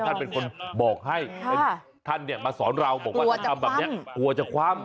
ท่านเป็นคนบอกให้ท่านเนี่ยมาสอนเราบอกว่าถ้าทำแบบนี้กลัวจะคว่ำ